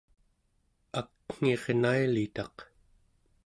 akngirnailitaq